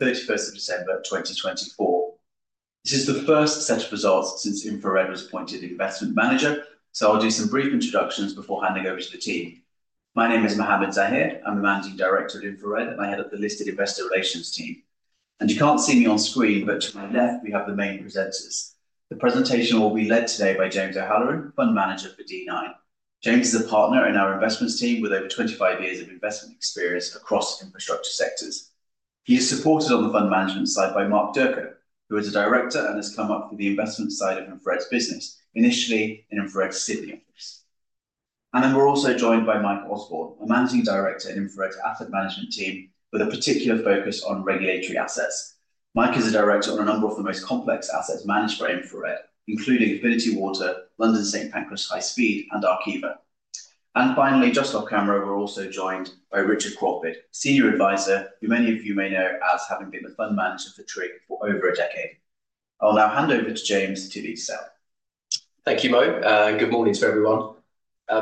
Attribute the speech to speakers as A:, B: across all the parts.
A: 31st of December 2024. This is the first set of results since InfraRed was appointed Investment Manager, so I'll do some brief introductions before handing over to the team. My name is Mohammed Zaheer. I'm the Managing Director of InfraRed and I head up the Listed Investor Relations team. You can't see me on screen, but to my left we have the main presenters. The presentation will be led today by James O'Halloran, Fund Manager for Digital 9. James is a partner in our Investments team with over 25 years of investment experience across infrastructure sectors. He is supported on the Fund Management side by Marc Durka, who is a Director and has come up through the investment side of InfraRed's business, initially in InfraRed's Sydney office. We are also joined by Mike Osborne, a Managing Director in InfraRed's Asset Management team with a particular focus on regulatory assets. Mike is a Director on a number of the most complex assets managed by InfraRed, including Affinity Water, London St Pancras High Speed, and Arqiva. Finally, just off camera, we're also joined by Richard Crawford, Senior Advisor, who many of you may know as having been the Fund Manager for TRIG for over a decade. I'll now hand over to James to be set.
B: Thank you, Mo. Good morning to everyone.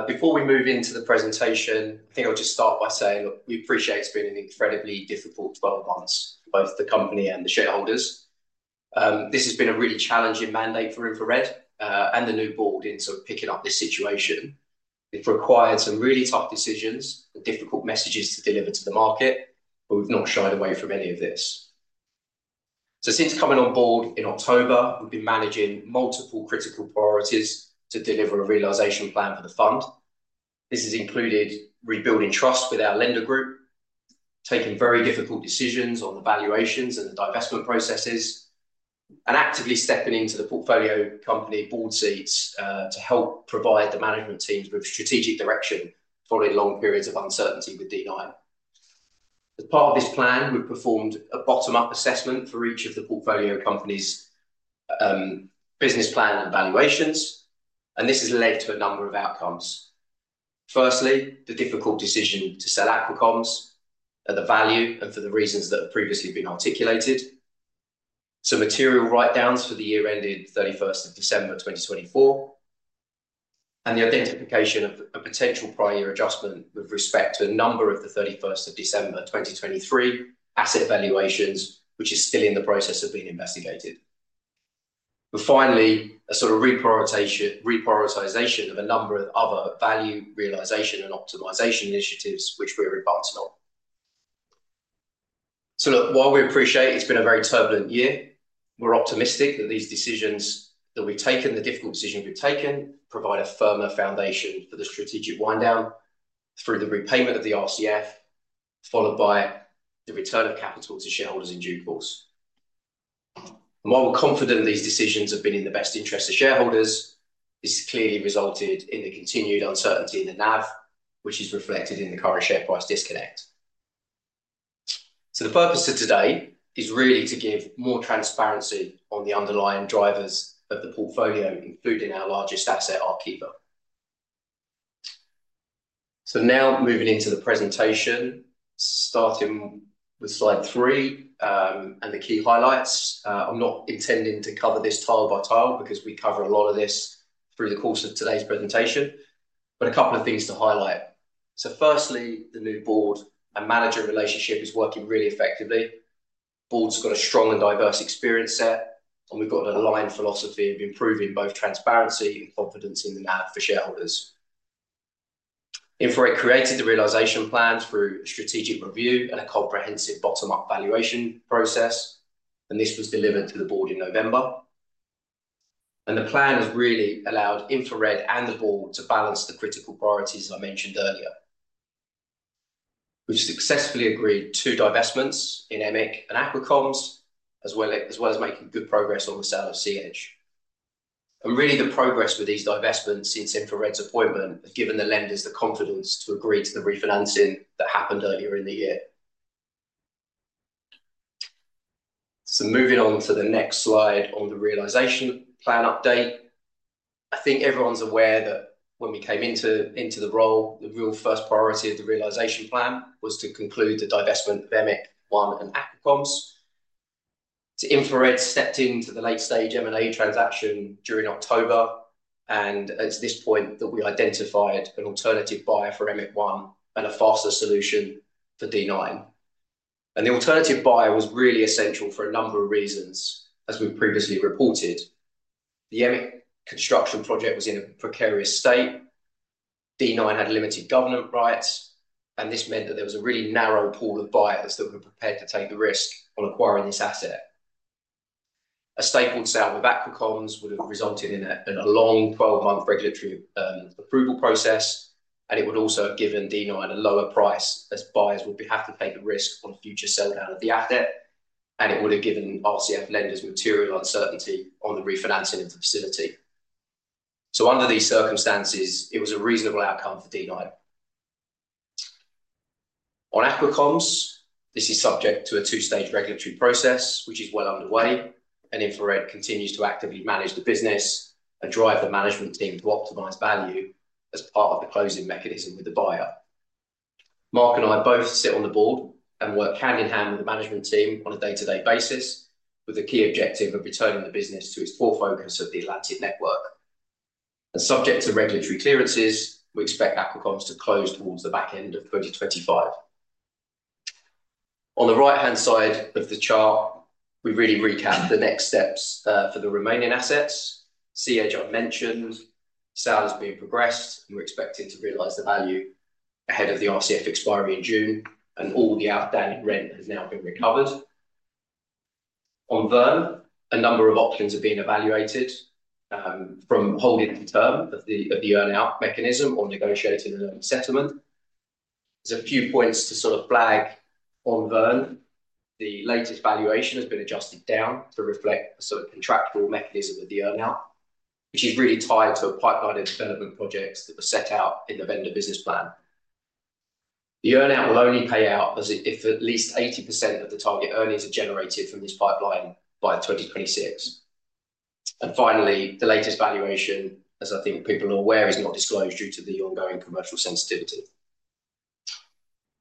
B: Before we move into the presentation, I think I'll just start by saying we appreciate it's been an incredibly difficult 12 months for both the company and the shareholders. This has been a really challenging mandate for InfraRed, and the new board in sort of picking up this situation. It's required some really tough decisions, difficult messages to deliver to the market, but we've not shied away from any of this. Since coming on board in October, we've been managing multiple critical priorities to deliver a realization plan for the fund. This has included rebuilding trust with our lender group, taking very difficult decisions on the valuations and the divestment processes, and actively stepping into the portfolio company board seats to help provide the management teams with strategic direction following long periods of uncertainty with D9. As part of this plan, we've performed a bottom-up assessment for each of the portfolio companies' business plan and valuations, and this has led to a number of outcomes. Firstly, the difficult decision to sell Aqua Comms at the value and for the reasons that have previously been articulated, some material write-downs for the year ended 31st of December 2024, and the identification of a potential prior year adjustment with respect to a number of the 31st of December 2023 asset valuations, which is still in the process of being investigated. Finally, a sort of reprioritization of a number of other value realization and optimization initiatives which we're advancing on. Look, while we appreciate it's been a very turbulent year, we're optimistic that these decisions that we've taken, the difficult decisions we've taken, provide a firmer foundation for the strategic wind down through the repayment of the RCF, followed by the return of capital to shareholders in due course. While we're confident these decisions have been in the best interest of shareholders, this clearly resulted in the continued uncertainty in the NAV, which is reflected in the current share price disconnect. The purpose of today is really to give more transparency on the underlying drivers of the portfolio, including our largest asset, Arqiva. Now moving into the presentation, starting with slide three and the key highlights. I'm not intending to cover this tile by tile because we cover a lot of this through the course of today's presentation, but a couple of things to highlight. Firstly, the new board and manager relationship is working really effectively. The board's got a strong and diverse experience set, and we've got an aligned philosophy of improving both transparency and confidence in the NAV for shareholders. InfraRed created the realization plan through a strategic review and a comprehensive bottom-up valuation process, and this was delivered to the board in November. The plan has really allowed InfraRed and the board to balance the critical priorities I mentioned earlier. We've successfully agreed to divestments in EMIC and Aqua Comms, as well as making good progress on the sale of Sea Edge. Really, the progress with these divestments since InfraRed's appointment has given the lenders the confidence to agree to the refinancing that happened earlier in the year. Moving on to the next slide on the realization plan update. I think everyone's aware that when we came into the role, the real first priority of the realization plan was to conclude the divestment of EMIC One and Aqua Comms. To InfraRed, stepped into the late-stage M&A transaction during October, and it's at this point that we identified an alternative buyer for EMIC One and a faster solution for D9. The alternative buyer was really essential for a number of reasons, as we've previously reported. The EMIC construction project was in a precarious state. D9 had limited government rights, and this meant that there was a really narrow pool of buyers that were prepared to take the risk on acquiring this asset. A stapled sale with Aqua Comms would have resulted in a long 12-month regulatory approval process, and it would also have given D9 a lower price as buyers would have to take the risk on a future sell down of the asset, and it would have given RCF lenders material uncertainty on the refinancing of the facility. Under these circumstances, it was a reasonable outcome for D9. On Aqua Comms, this is subject to a two-stage regulatory process, which is well underway, and InfraRed continues to actively manage the business and drive the management team to optimize value as part of the closing mechanism with the buyer. Marc and I both sit on the board and work hand in hand with the management team on a day-to-day basis, with the key objective of returning the business to its core focus of the Atlantic network. Subject to regulatory clearances, we expect Aqua Comms to close towards the back end of 2025. On the right-hand side of the chart, we really recap the next steps for the remaining assets. Sea Edge I mentioned, sale has been progressed, and we are expected to realize the value ahead of the RCF expiry in June, and all the outstanding rent has now been recovered. On Verne, a number of options are being evaluated from holding the term of the earnout mechanism or negotiating a settlement. There are a few points to sort of flag on Verne. The latest valuation has been adjusted down to reflect a sort of contractual mechanism of the earnout, which is really tied to a pipeline of development projects that were set out in the vendor business plan. The earnout will only pay out if at least 80% of the target earnings are generated from this pipeline by 2026. Finally, the latest valuation, as I think people are aware, is not disclosed due to the ongoing commercial sensitivity.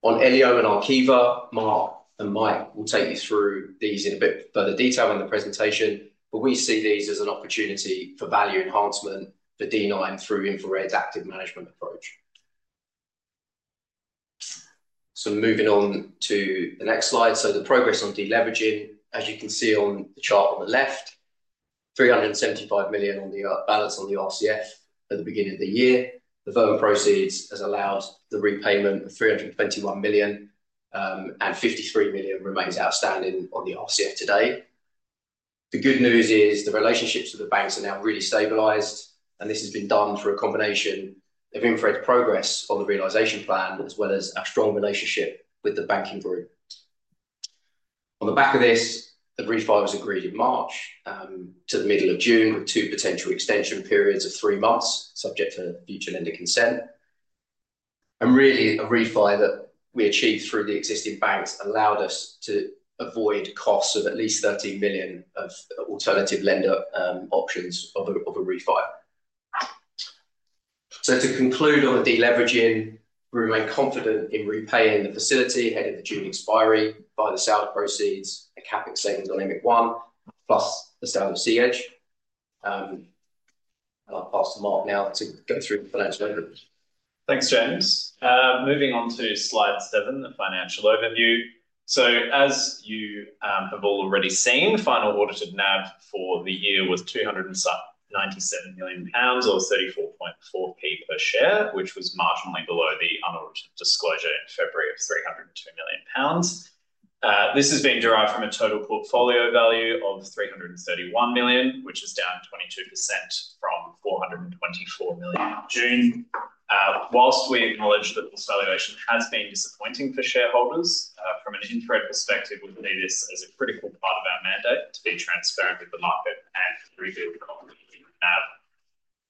B: On Elio and Arqiva, Marc and Mike will take you through these in a bit further detail in the presentation, but we see these as an opportunity for value enhancement for D9 through InfraRed's active management approach. Moving on to the next slide. The progress on deleveraging, as you can see on the chart on the left, 375 million on the balance on the RCF at the beginning of the year. The Verne proceeds has allowed the repayment of 321 million, and 53 million remains outstanding on the RCF today. The good news is the relationships with the banks are now really stabilized, and this has been done through a combination of InfraRed's progress on the realization plan as well as our strong relationship with the banking group. On the back of this, the refinancers agreed in March to the middle of June with two potential extension periods of three months, subject to future lender consent. Really, a refinance that we achieved through the existing banks allowed us to avoid costs of at least 13 million of alternative lender options of a refinance. To conclude on the deleveraging, we remain confident in repaying the facility ahead of the June expiry by the sale of proceeds and capping savings on EMIC One, plus the sale of Sea Edge. I'll pass to Marc now to go through the financial overview.
C: Thanks, James. Moving on to slide seven, the financial overview. As you have all already seen, final audited NAV for the year was 297 million pounds or 34.4p per share, which was marginally below the unaltered disclosure in February of 302 million pounds. This has been derived from a total portfolio value of 331 million, which is down 22% from 424 million in June. Whilst we acknowledge that this valuation has been disappointing for shareholders, from an InfraRed perspective, we see this as a critical part of our mandate to be transparent with the market and rebuild the company's NAV.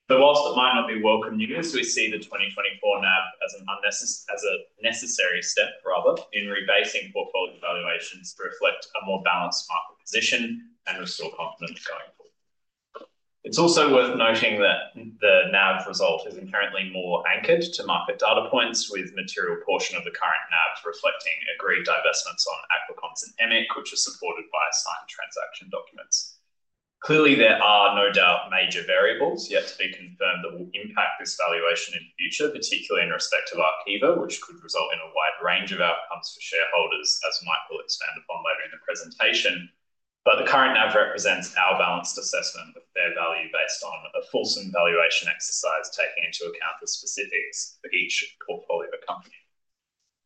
C: Whilst it might not be welcome news, we see the 2024 NAV as a necessary step, rather, in rebasing portfolio valuations to reflect a more balanced market position and restore confidence going forward. It's also worth noting that the NAV result is inherently more anchored to market data points, with a material portion of the current NAV reflecting agreed divestments on Aqua Comms and EMIC, which are supported by signed transaction documents. Clearly, there are no doubt major variables yet to be confirmed that will impact this valuation in the future, particularly in respect of Arqiva, which could result in a wide range of outcomes for shareholders, as Mike will expand upon later in the presentation. The current NAV represents our balanced assessment of fair value based on a fulsome valuation exercise taking into account the specifics for each portfolio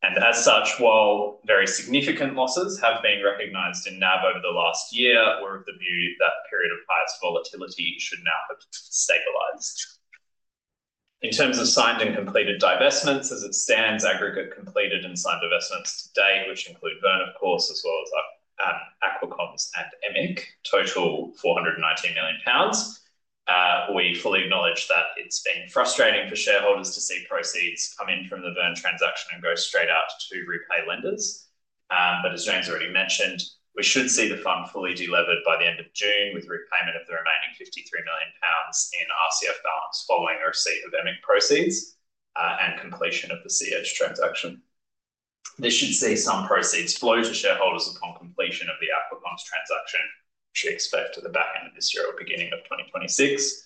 C: company. As such, while very significant losses have been recognized in NAV over the last year, we're of the view that that period of highest volatility should now have stabilized. In terms of signed and completed divestments, as it stands, aggregate completed and signed divestments to date, which include Verne, of course, as well as Aqua Comms and EMIC, total 419 million pounds. We fully acknowledge that it's been frustrating for shareholders to see proceeds come in from the Verne transaction and go straight out to repay lenders. As James already mentioned, we should see the fund fully delivered by the end of June, with repayment of the remaining 53 million pounds in RCF balance following a receipt of EMIC proceeds and completion of the Sea Edge transaction. This should see some proceeds flow to shareholders upon completion of the Aqua Comms transaction, which we expect at the back end of this year or beginning of 2026.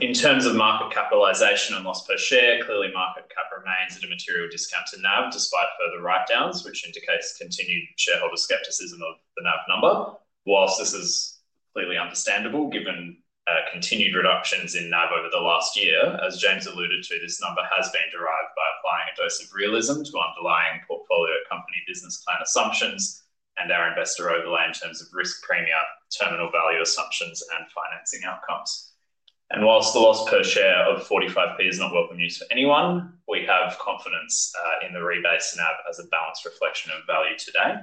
C: In terms of Market Capitalization and Loss Per Share, clearly, market cap remains at a material discount to NAV, despite further write-downs, which indicates continued shareholder skepticism of the NAV number. Whilst this is clearly understandable, given continued reductions in NAV over the last year, as James alluded to, this number has been derived by applying a dose of realism to underlying portfolio company business plan assumptions and our investor overlay in terms of risk, premia, terminal value assumptions, and financing outcomes. Whilst the Loss Per Share of 0.45 is not welcome news for anyone, we have confidence in the rebase NAV as a balanced reflection of value today,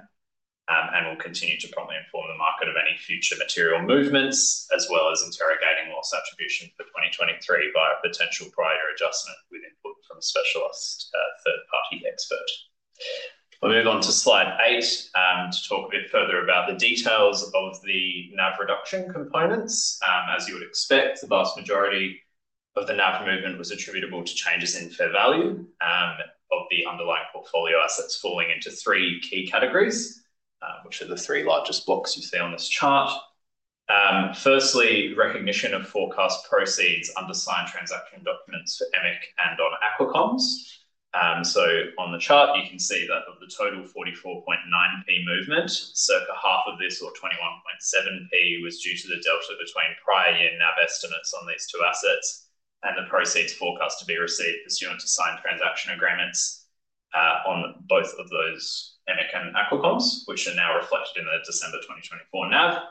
C: and we will continue to promptly inform the market of any future material movements, as well as interrogating loss attribution for 2023 via potential prior adjustment with input from specialist third-party expert. We'll move on to slide eight to talk a bit further about the details of the NAV reduction components. As you would expect, the vast majority of the NAV movement was attributable to changes in fair value of the underlying portfolio assets falling into three key categories, which are the three largest blocks you see on this chart. Firstly, recognition of forecast proceeds under signed transaction documents for EMIC and on Aqua Comms. On the chart, you can see that of the total 44.9p movement, circa half of this, or 21.7p, was due to the delta between prior year NAV estimates on these two assets and the proceeds forecast to be received pursuant to signed transaction agreements on both of those EMIC and Aqua Comms, which are now reflected in the December 2024 NAV.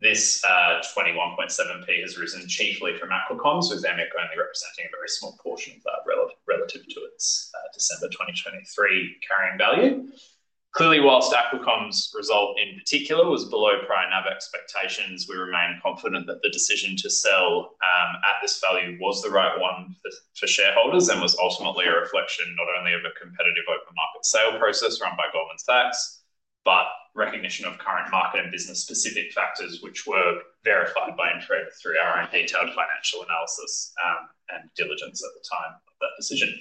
C: This 0.217 has risen chiefly from Aqua Comms, with EMIC only representing a very small portion of that relative to its December 2023 carrying value. Clearly, whilst Aqua Comms result in particular was below prior NAV expectations, we remain confident that the decision to sell at this value was the right one for shareholders and was ultimately a reflection not only of a competitive open market sale process run by Goldman Sachs, but recognition of current market and business-specific factors, which were verified by InfraRed through our own detailed financial analysis and diligence at the time of that decision.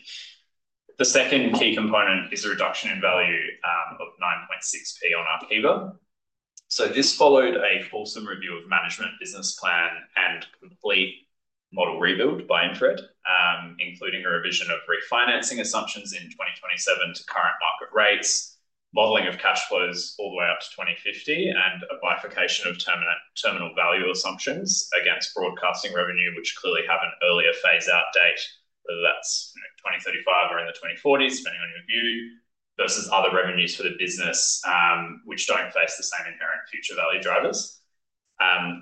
C: The second key component is a reduction in value of 0.096 on Arqiva. This followed a fulsome review of management business plan and complete model rebuild by InfraRed, including a revision of refinancing assumptions in 2027 to current market rates, modeling of cash flows all the way out to 2050, and a bifurcation of terminal value assumptions against broadcasting revenue, which clearly have an earlier phase-out date, whether that's 2035 or in the 2040s, depending on your view, versus other revenues for the business, which do not face the same inherent future value drivers.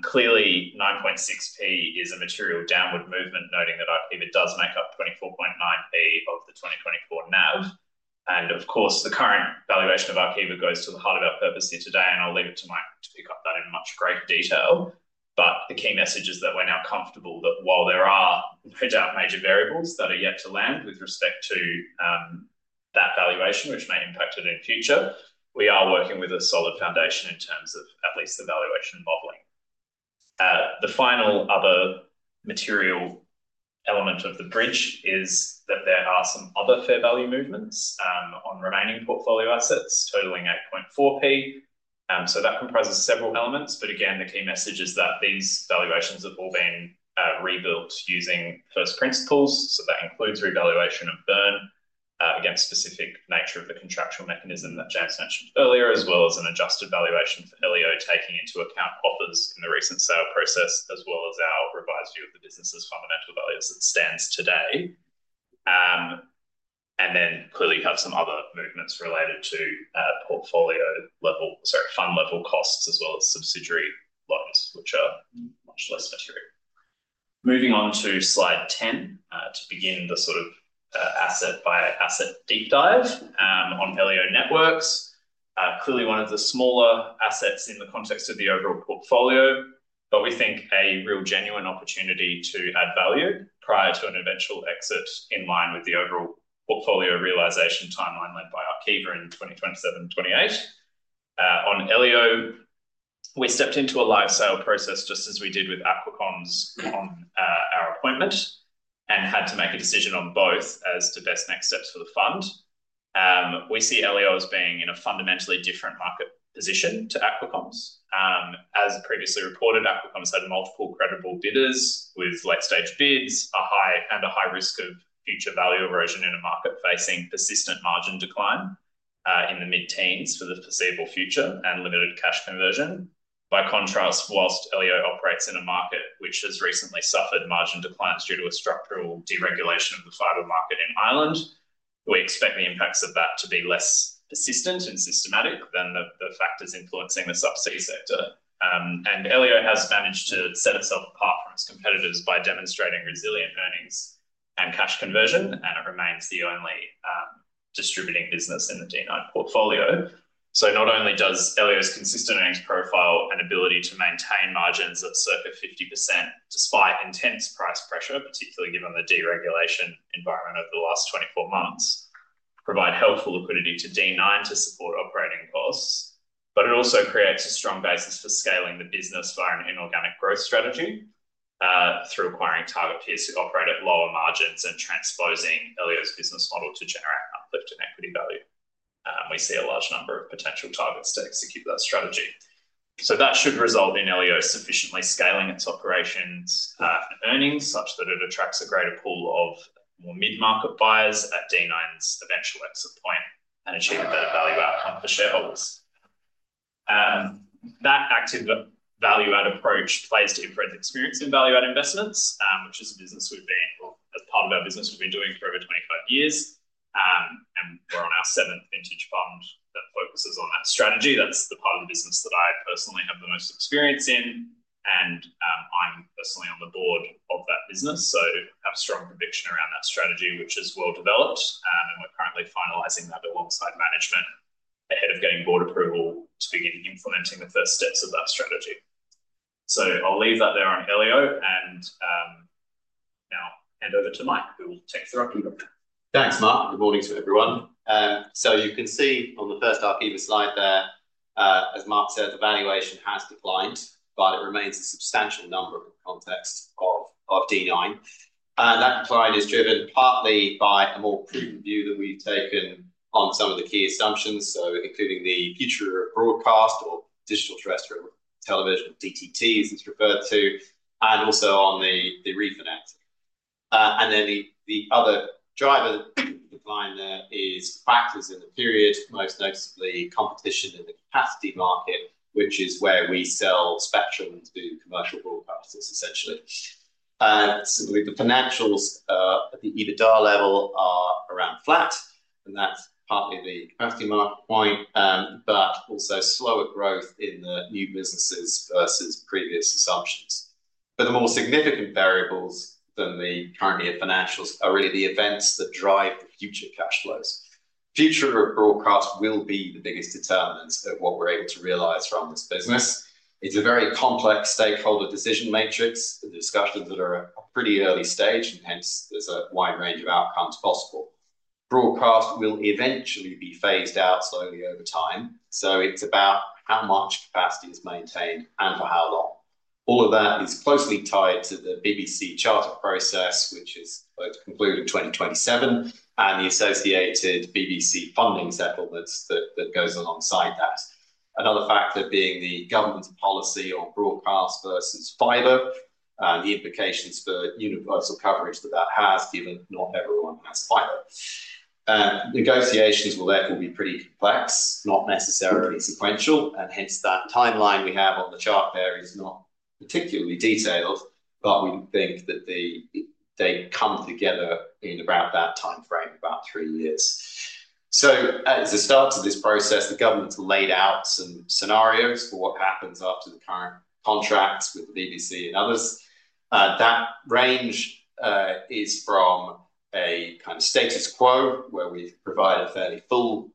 C: Clearly, 9.6p is a material downward movement, noting that Arqiva does make up 24.9p of the 2024 NAV. Of course, the current valuation of Arqiva goes to the heart of our purpose here today, and I'll leave it to Mike to pick up that in much greater detail. The key message is that we're now comfortable that while there are no doubt major variables that are yet to land with respect to that valuation, which may impact it in future, we are working with a solid foundation in terms of at least the valuation modeling. The final other material element of the bridge is that there are some other fair value movements on remaining portfolio assets totaling 0.084. That comprises several elements. Again, the key message is that these valuations have all been rebuilt using first principles. That includes revaluation of Verne against the specific nature of the contractual mechanism that James mentioned earlier, as well as an adjusted valuation for Elio taking into account offers in the recent sale process, as well as our revised view of the business's fundamental values as it stands today. You have some other movements related to portfolio level, sorry, fund level costs, as well as subsidiary losses, which are much less necessary. Moving on to slide 10 to begin the sort of asset by asset deep dive on Elio Networks. Clearly, one of the smaller assets in the context of the overall portfolio, but we think a real genuine opportunity to add value prior to an eventual exit in line with the overall portfolio realization timeline led by Arqiva in 2027-2028. On Elio, we stepped into a live sale process just as we did with Aqua Comms on our appointment and had to make a decision on both as to best next steps for the fund. We see Elio as being in a fundamentally different market position to Aqua Comms. As previously reported, Aqua Comms had multiple credible bidders with late-stage bids and a high risk of future value erosion in a market facing persistent margin decline in the mid-teens for the foreseeable future and limited cash conversion. By contrast, whilst Elio operates in a market which has recently suffered margin declines due to a structural deregulation of the fiber market in Ireland, we expect the impacts of that to be less persistent and systematic than the factors influencing the subsea sector. Elio has managed to set itself apart from its competitors by demonstrating resilient earnings and cash conversion, and it remains the only distributing business in the D9 portfolio. Not only does Elio's consistent earnings profile and ability to maintain margins of circa 50% despite intense price pressure, particularly given the deregulation environment over the last 24 months, provide helpful liquidity to D9 to support operating costs, but it also creates a strong basis for scaling the business via an inorganic growth strategy through acquiring target peers who operate at lower margins and transposing Elio's business model to generate an uplift in equity value. We see a large number of potential targets to execute that strategy. That should result in Elio sufficiently scaling its operations and earnings such that it attracts a greater pool of more mid-market buyers at D9's eventual exit point and achieve a better value outcome for shareholders. That active value-add approach plays to InfraRed's experience in value-add investments, which is a business we've been, as part of our business we've been doing for over 25 years. We are on our seventh vintage fund that focuses on that strategy. That is the part of the business that I personally have the most experience in, and I'm personally on the board of that business. I have strong conviction around that strategy, which is well developed, and we're currently finalizing that alongside management ahead of getting board approval to begin implementing the first steps of that strategy. I'll leave that there on Elio and now hand over to Mike, who will take the Arqiva.
D: Thanks, Marc. Good morning to everyone. You can see on the first Arqiva slide there, as Marc said, the valuation has declined, but it remains a substantial number in the context of D9. That decline is driven partly by a more prudent view that we've taken on some of the key assumptions, including the future of broadcast or digital terrestrial television, DTT, as it's referred to, and also on the refinancing. The other driver of the decline there is factors in the period, most noticeably competition in the capacity market, which is where we sell spectrum to commercial broadcasters, essentially. The financials at the EBITDA level are around flat, and that's partly the capacity market point, but also slower growth in the new businesses versus previous assumptions. The more significant variables than the current year financials are really the events that drive the future cash flows. Future of broadcast will be the biggest determinant of what we're able to realize from this business. It's a very complex stakeholder decision matrix, the discussions that are at a pretty early stage, and hence there's a wide range of outcomes possible. Broadcast will eventually be phased out slowly over time. It is about how much capacity is maintained and for how long. All of that is closely tied to the BBC Charter process, which is concluded in 2027, and the associated BBC funding settlements that go alongside that. Another factor being the government policy on broadcast versus fiber and the implications for universal coverage that that has, given not everyone has fiber. Negotiations will therefore be pretty complex, not necessarily sequential, and hence that timeline we have on the chart there is not particularly detailed, but we think that they come together in around that timeframe, about three years. As a start to this process, the government's laid out some scenarios for what happens after the current contracts with the BBC and others. That range is from a kind of status quo, where we've provided fairly full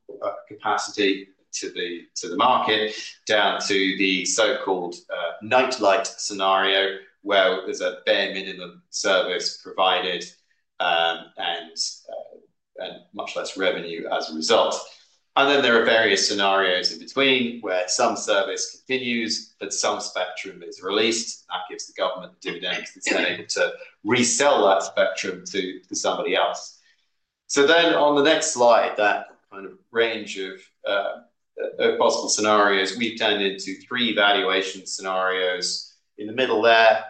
D: capacity to the market, down to the so-called nightlight scenario, where there's a bare minimum service provided and much less revenue as a result. There are various scenarios in between where some service continues, but some spectrum is released. That gives the government the dividends to be able to resell that spectrum to somebody else. On the next slide, that kind of range of possible scenarios, we've turned into three valuation scenarios. In the middle there,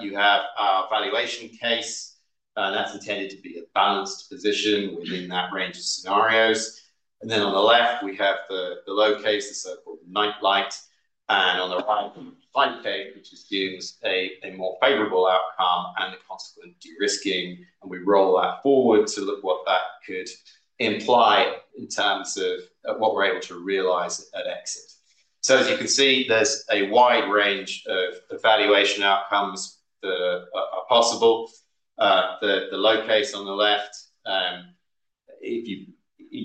D: you have our valuation case, and that's intended to be a balanced position within that range of scenarios. Then on the left, we have the low case, the so-called nightlight, and on the right, the finite case, which assumes a more favorable outcome and the consequent risking. We roll that forward to look at what that could imply in terms of what we are able to realize at exit. As you can see, there is a wide range of valuation outcomes that are possible. The low case on the left, if you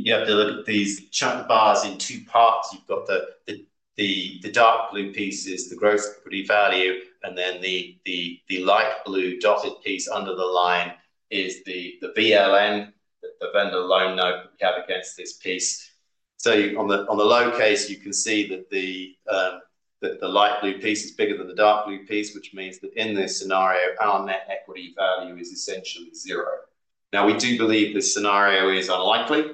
D: have to look at these chunk bars in two parts, you have the dark blue piece is the gross equity value, and then the light blue dotted piece under the line is the VLN, the vendor loan note we have against this piece. On the low case, you can see that the light blue piece is bigger than the dark blue piece, which means that in this scenario, our net equity value is essentially zero. We do believe this scenario is unlikely,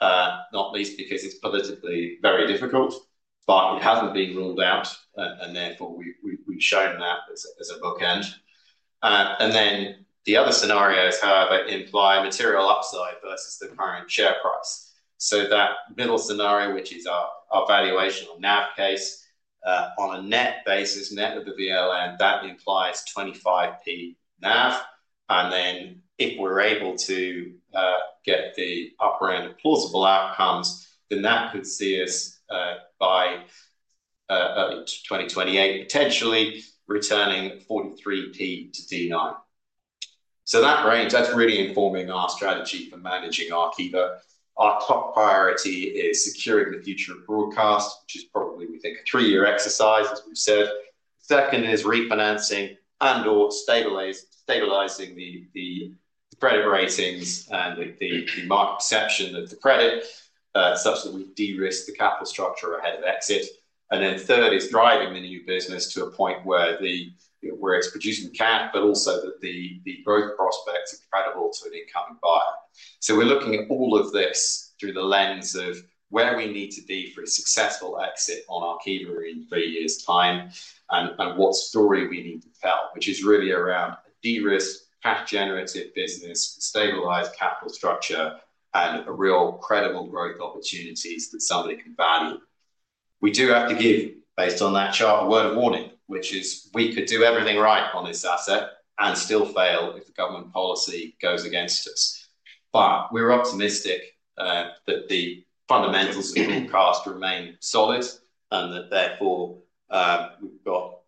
D: not least because it is politically very difficult, but it has not been ruled out, and therefore we have shown that as a bookend. The other scenarios, however, imply material upside versus the current share price. That middle scenario, which is our valuation on NAV case, on a net basis, net of the VLN, implies 0.25 NAV. If we are able to get the upper end of plausible outcomes, then that could see us by early 2028, potentially returning 0.43 to Digital 9 Infrastructure. That range is really informing our strategy for managing Arqiva. Our top priority is securing the future of broadcast, which is probably, we think, a three-year exercise, as we've said. Second is refinancing and/or stabilizing the credit ratings and the market perception of the credit such that we de-risk the capital structure ahead of exit. Third is driving the new business to a point where we're producing cash, but also that the growth prospects are credible to an incoming buyer. We are looking at all of this through the lens of where we need to be for a successful exit on Arqiva in three years' time and what story we need to tell, which is really around a de-risked, cash-generative business, stabilized capital structure, and real credible growth opportunities that somebody can value. We do have to give, based on that chart, a word of warning, which is we could do everything right on this asset and still fail if the government policy goes against us. We are optimistic that the fundamentals of broadcast remain solid and that therefore we have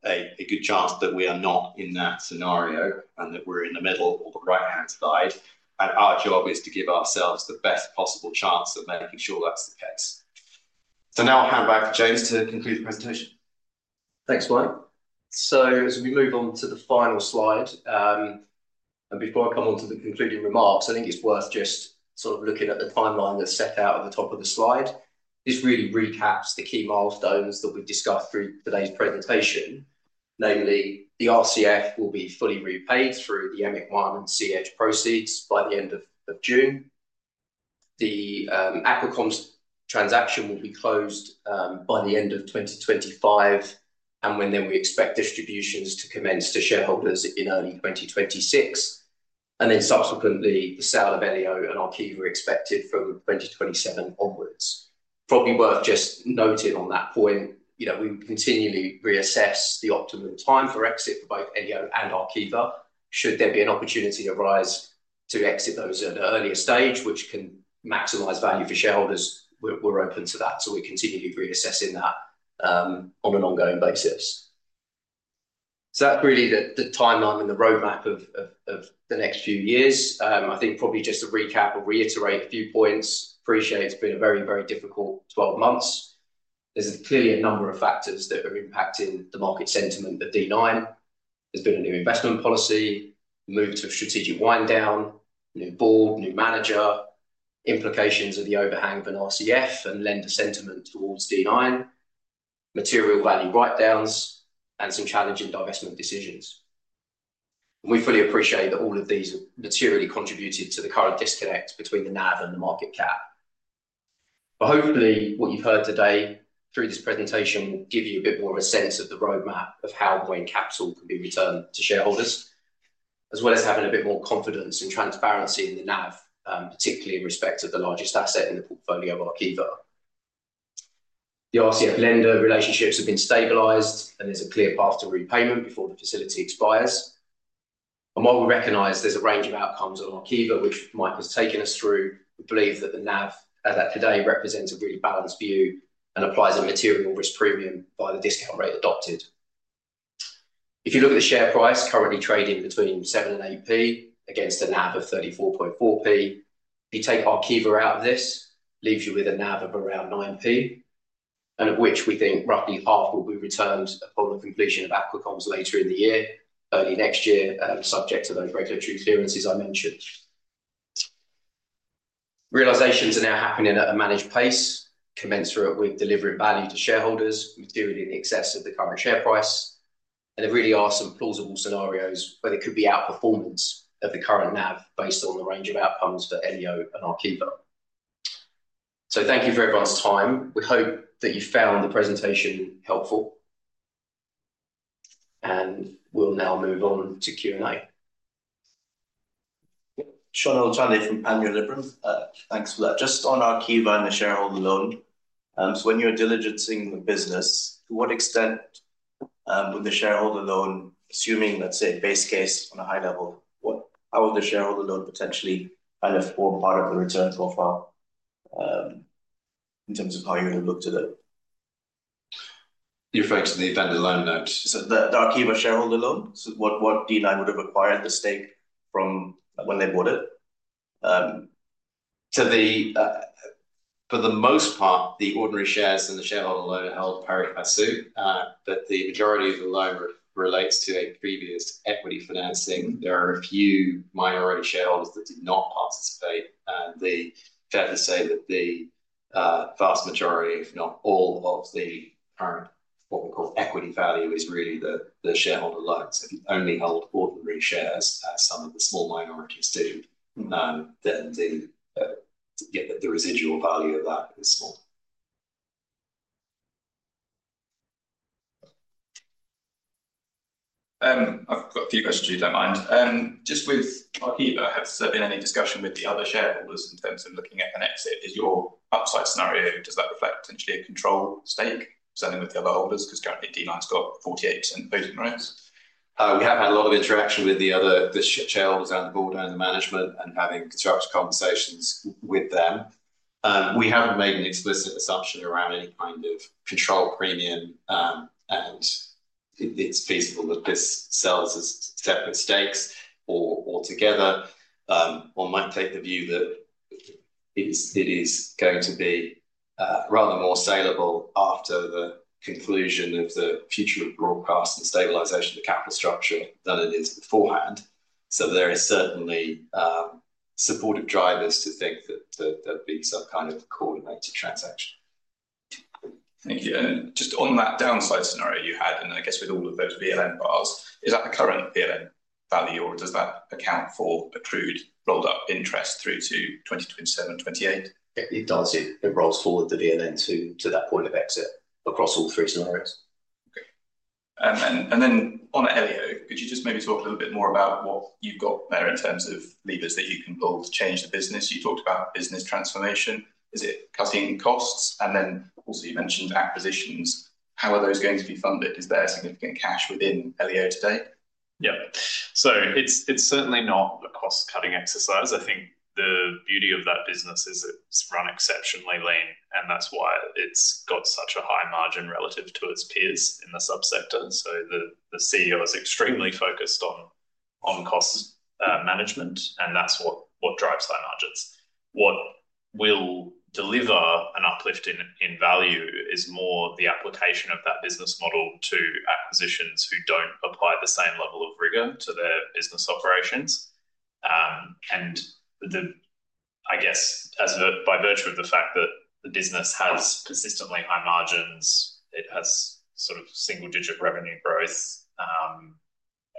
D: a good chance that we are not in that scenario and that we are in the middle or the right-hand side. Our job is to give ourselves the best possible chance of making sure that is the case. Now I will hand back to James to conclude the presentation.
B: Thanks, Mike. As we move on to the final slide, and before I come on to the concluding remarks, I think it is worth just sort of looking at the timeline that is set out at the top of the slide. This really recaps the key milestones that we've discussed through today's presentation, namely the RCF will be fully repaid through the M1 and CH proceeds by the end of June. The Aqua Comms transaction will be closed by the end of 2025, and when then we expect distributions to commence to shareholders in early 2026. Then subsequently, the sale of Elio and Arqiva are expected from 2027 onwards. Probably worth just noting on that point, we will continually reassess the optimum time for exit for both Elio and Arqiva. Should there be an opportunity to arise to exit those at an earlier stage, which can maximize value for shareholders, we're open to that. We're continually reassessing that on an ongoing basis. That is really the timeline and the roadmap of the next few years. I think probably just to recap or reiterate a few points, appreciate it's been a very, very difficult 12 months. There's clearly a number of factors that are impacting the market sentiment of D9. There's been a new investment policy, a move to a strategic wind down, new board, new manager, implications of the overhang of an RCF and lender sentiment towards D9, material value write-downs, and some challenging divestment decisions. We fully appreciate that all of these have materially contributed to the current disconnect between the NAV and the market cap. Hopefully, what you've heard today through this presentation will give you a bit more of a sense of the roadmap of how capital could be returned to shareholders, as well as having a bit more confidence and transparency in the NAV, particularly in respect of the largest asset in the portfolio of Arqiva. The RCF lender relationships have been stabilized, and there's a clear path to repayment before the facility expires. While we recognize there's a range of outcomes on Arqiva, which Mike has taken us through, we believe that the NAV today represents a really balanced view and applies a material risk premium by the discount rate adopted. If you look at the share price currently trading between 0.07-0.08 against a NAV of 0.344, if you take Arqiva out of this, it leaves you with a NAV of around 0.09, and of which we think roughly half will be returned upon the completion of Aqua Comms later in the year, early next year, subject to those regulatory clearances I mentioned. Realizations are now happening at a managed pace, commensurate with delivering value to shareholders, materially in excess of the current share price. There really are some plausible scenarios where there could be outperformance of the current NAV based on the range of outcomes for Elio and Arqiva. Thank you for everyone's time. We hope that you found the presentation helpful, and we'll now move on to Q&A. Sean O'Tonny from Panmure Liberum.
E: Thanks for that. Just on Arqiva and the shareholder loan, so when you're diligencing the business, to what extent would the shareholder loan, assuming, let's say, a base case on a high level, how would the shareholder loan potentially kind of form part of the return profile in terms of how you're going to look to it?
C: You're focusing on the vendor loan note.
E: The Arqiva shareholder loan, so what D9 would have acquired the stake from when they bought it?
B: For the most part, the ordinary shares and the shareholder loan are held pari passu, but the majority of the loan relates to a previous equity financing. There are a few minority shareholders that did not participate, and they fail to say that the vast majority, if not all, of the current, what we call equity value is really the shareholder loan. If you only hold ordinary shares, as some of the small minorities do, then the residual value of that is small.
E: I've got a few questions, if you don't mind. Just with Arqiva, has there been any discussion with the other shareholders in terms of looking at an exit? Is your upside scenario, does that reflect potentially a control stake presenting with the other holders? Because currently, D9's got 48% voting rights.
B: We have had a lot of interaction with the other shareholders around the board and the management and having constructive conversations with them. We have not made an explicit assumption around any kind of control premium, and it is feasible that this sells as separate stakes or together. One might take the view that it is going to be rather more saleable after the conclusion of the future of broadcast and stabilization of the capital structure than it is beforehand. There are certainly supportive drivers to think that there would be some kind of coordinated transaction.
E: Thank you. Just on that downside scenario you had, I guess with all of those VLN bars, is that the current VLN value, or does that account for accrued rolled-up interest through to 2027-2028?
C: It does. It rolls forward the VLN to that point of exit across all three scenarios.
E: Okay. On Elio, could you just maybe talk a little bit more about what you've got there in terms of levers that you can pull to change the business? You talked about business transformation. Is it cutting costs? You also mentioned acquisitions. How are those going to be funded? Is there significant cash within Elio today?
B: Yeah. It is certainly not a cost-cutting exercise. I think the beauty of that business is it is run exceptionally lean, and that is why it has got such a high margin relative to its peers in the subsector. The CEO is extremely focused on cost management, and that is what drives high margins. What will deliver an uplift in value is more the application of that business model to acquisitions who do not apply the same level of rigor to their business operations. I guess by virtue of the fact that the business has persistently high margins, it has sort of single-digit revenue growth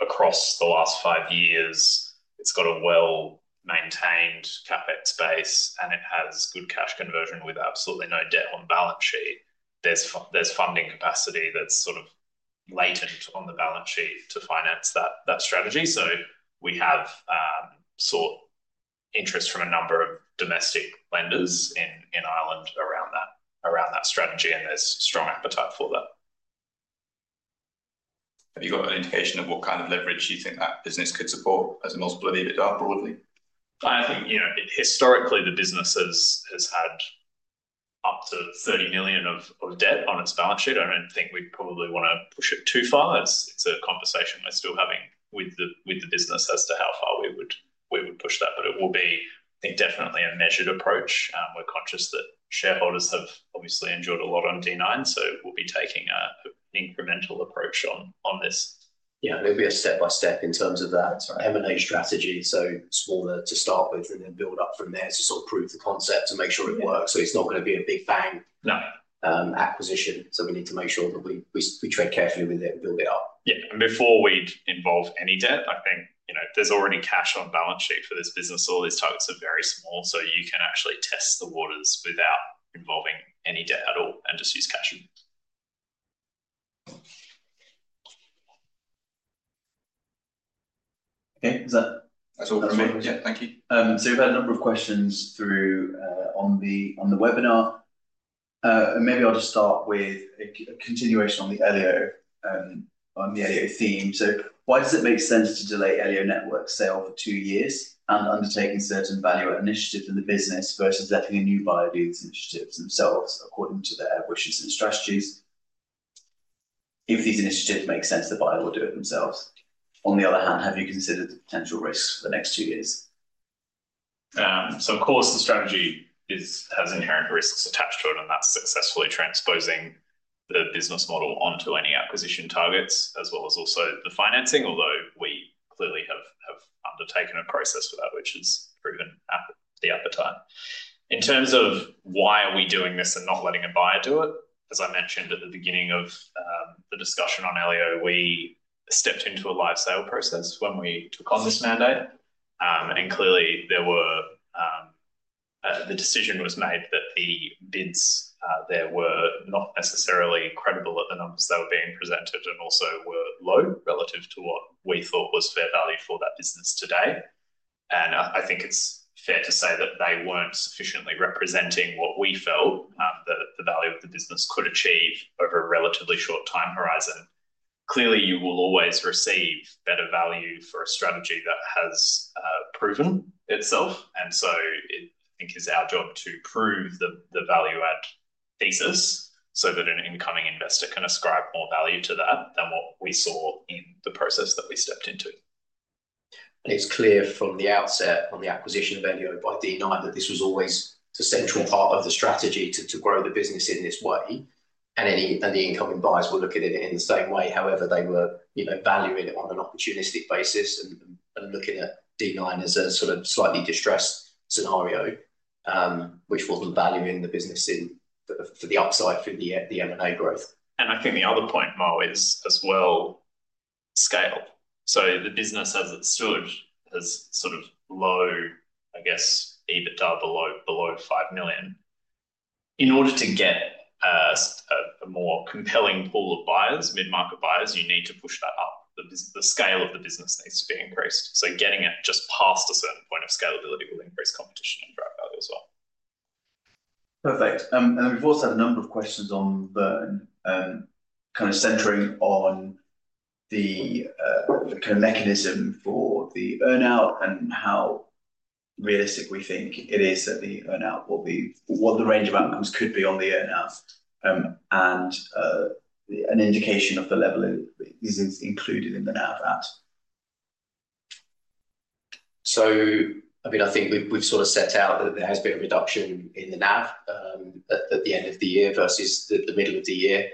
B: across the last five years. It has got a well-maintained CapEx base, and it has good cash conversion with absolutely no debt on balance sheet. There is funding capacity that is sort of latent on the balance sheet to finance that strategy. We have sought interest from a number of domestic lenders in Ireland around that strategy, and there's strong appetite for that.
E: Have you got an indication of what kind of leverage you think that business could support as a multiple of EBITDA broadly?
B: I think historically, the business has had up to 30 million of debt on its balance sheet. I do not think we probably want to push it too far. It is a conversation we are still having with the business as to how far we would push that. It will be, I think, definitely a measured approach. We are conscious that shareholders have obviously endured a lot on D9, so we will be taking an incremental approach on this.
E: Yeah, maybe a step-by-step in terms of that M&A strategy. Smaller to start with and then build up from there to sort of prove the concept and make sure it works. It is not going to be a big bang acquisition. We need to make sure that we trade carefully with it and build it up.
B: Yeah. Before we'd involve any debt, I think there's already cash on balance sheet for this business. All these targets are very small, so you can actually test the waters without involving any debt at all and just use cash.
E: Okay. Is that all clear? Yeah. Thank you. We have had a number of questions through on the webinar. Maybe I will just start with a continuation on the Elio theme. Why does it make sense to delay Elio Networks' sale for two years and undertake a certain value initiative in the business versus letting a new buyer do these initiatives themselves according to their wishes and strategies? If these initiatives make sense, the buyer will do it themselves. On the other hand, have you considered the potential risks for the next two years?
B: Of course, the strategy has inherent risks attached to it, and that's successfully transposing the business model onto any acquisition targets, as well as also the financing, although we clearly have undertaken a process for that, which has proven the appetite. In terms of why are we doing this and not letting a buyer do it, as I mentioned at the beginning of the discussion on Elio, we stepped into a live sale process when we took on this mandate. Clearly, the decision was made that the bids there were not necessarily credible at the numbers that were being presented and also were low relative to what we thought was fair value for that business today. I think it's fair to say that they weren't sufficiently representing what we felt the value of the business could achieve over a relatively short time horizon. Clearly, you will always receive better value for a strategy that has proven itself. I think it's our job to prove the value-add thesis so that an incoming investor can ascribe more value to that than what we saw in the process that we stepped into.
A: It is clear from the outset on the acquisition of Elio by D9 that this was always the central part of the strategy to grow the business in this way. The incoming buyers were looking at it in the same way, however they were valuing it on an opportunistic basis and looking at D9 as a sort of slightly distressed scenario, which was not valuing the business for the upside through the M&A growth.
B: I think the other point, Mo, is as well scale. The business, as it stood, has sort of low, I guess, EBITDA below $5 million. In order to get a more compelling pool of buyers, mid-market buyers, you need to push that up. The scale of the business needs to be increased. Getting it just past a certain point of scalability will increase competition and drive value as well.
E: Perfect. We have also had a number of questions on burn, kind of centering on the mechanism for the earnout and how realistic we think it is that the earnout will be, what the range of outcomes could be on the earnout, and an indication of the level is included in the NAV at.
B: I mean, I think we've sort of set out that there has been a reduction in the NAV at the end of the year versus the middle of the year.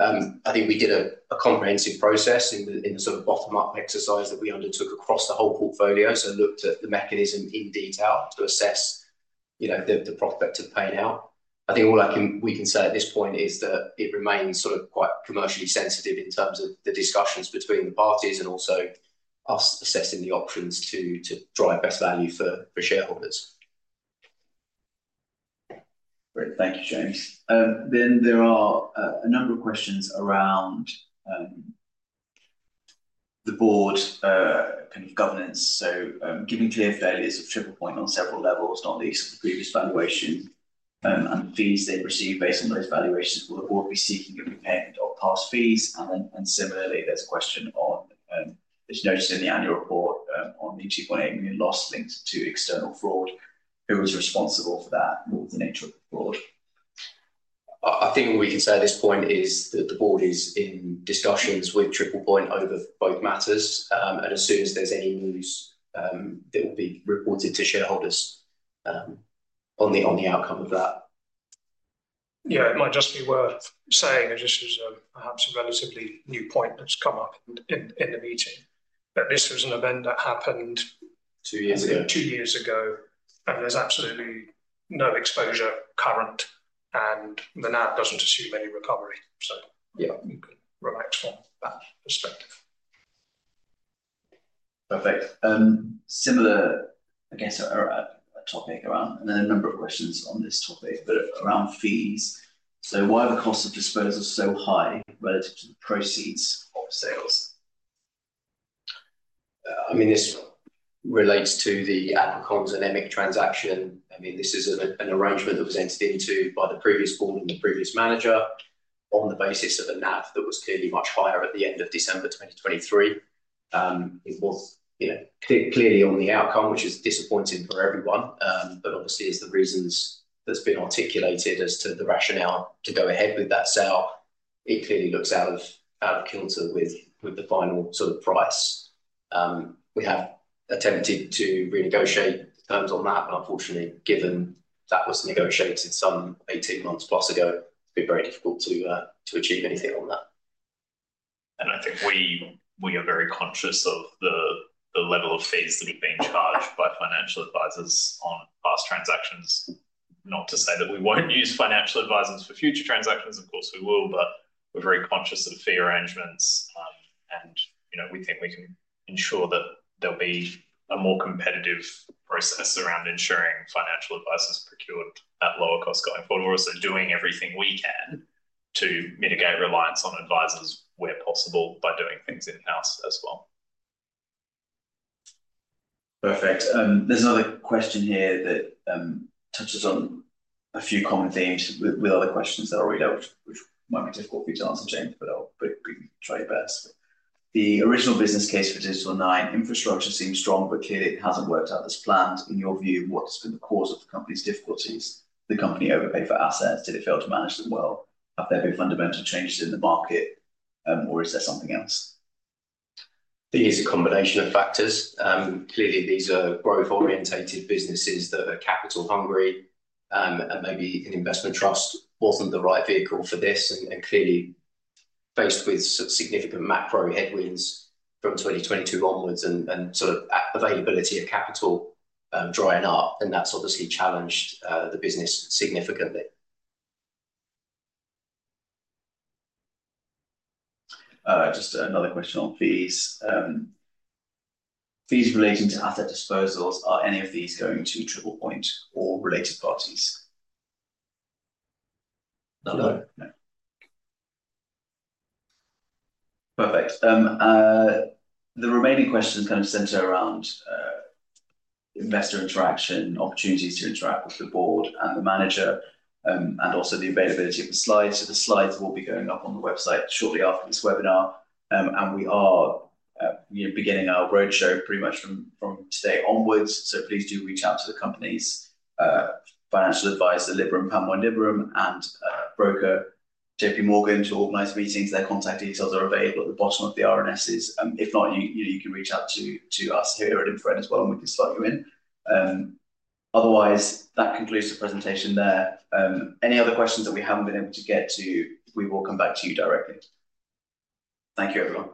B: I think we did a comprehensive process in the sort of bottom-up exercise that we undertook across the whole portfolio. Looked at the mechanism in detail to assess the prospect of paying out. I think all we can say at this point is that it remains sort of quite commercially sensitive in terms of the discussions between the parties and also us assessing the options to drive best value for shareholders.
E: Great. Thank you, James. There are a number of questions around the board kind of governance. Given clear failures of Triple Point on several levels, not least the previous valuation and the fees they've received based on those valuations, will the board be seeking to be paid past fees? Similarly, there's a question on, as you noted in the annual report, on the 2.8 million loss linked to external fraud. Who is responsible for that? What was the nature of the fraud?
B: I think what we can say at this point is that the board is in discussions with Triple Point over both matters. As soon as there's any news, there will be reported to shareholders on the outcome of that.
F: Yeah, it might just be worth saying, and this is perhaps a relatively new point that's come up in the meeting, but this was an event that happened.
E: Two years ago.
F: Two years ago, and there's absolutely no exposure current, and the NAV doesn't assume any recovery. You can relax from that perspective.
E: Perfect. Similar, I guess, a topic around, and then a number of questions on this topic, but around fees. Why are the costs of disposal so high relative to the proceeds of sales?
B: I mean, this relates to the Aqua Comms dynamic transaction. I mean, this is an arrangement that was entered into by the previous board and the previous manager on the basis of a NAV that was clearly much higher at the end of December 2023. It was clearly on the outcome, which is disappointing for everyone, but obviously, as the reasons that have been articulated as to the rationale to go ahead with that sale, it clearly looks out of kilter with the final sort of price. We have attempted to renegotiate terms on that, but unfortunately, given that was negotiated some 18 months plus ago, it has been very difficult to achieve anything on that. I think we are very conscious of the level of fees that have been charged by financial advisors on past transactions. Not to say that we will not use financial advisors for future transactions. Of course, we will, but we're very conscious of fee arrangements, and we think we can ensure that there'll be a more competitive process around ensuring financial advisors are procured at lower cost going forward. We're also doing everything we can to mitigate reliance on advisors where possible by doing things in-house as well.
E: Perfect. There is another question here that touches on a few common themes with other questions that are already dealt with, which might be difficult for you to answer, James, but you can try your best. The original business case for Digital 9 Infrastructure seems strong, but clearly, it has not worked out as planned. In your view, what has been the cause of the company's difficulties? Did the company overpay for assets? Did it fail to manage them well? Have there been fundamental changes in the market, or is there something else?
B: I think it's a combination of factors. Clearly, these are growth-orientated businesses that are capital-hungry, and maybe an investment trust wasn't the right vehicle for this. Clearly, faced with significant macro headwinds from 2022 onwards and sort of availability of capital drying up, that's obviously challenged the business significantly.
E: Just another question on fees. Fees relating to asset disposals, are any of these going to Triple Point or related parties?
B: No.
E: Perfect. The remaining questions kind of center around investor interaction, opportunities to interact with the board and the manager, and also the availability of the slides. The slides will be going up on the website shortly after this webinar. We are beginning our roadshow pretty much from today onwards. Please do reach out to the companies: Financial Advisor Panmure Liberum and broker JP Morgan to organize meetings. Their contact details are available at the bottom of the RNSs. If not, you can reach out to us here at InfraRed as well, and we can slot you in. Otherwise, that concludes the presentation there. Any other questions that we have not been able to get to, we will come back to you directly. Thank you everyone.